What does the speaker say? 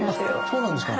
そうなんですよ。